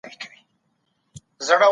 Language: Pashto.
پخواني نسلونه په خپلمنځي عناد کي پاتې سول.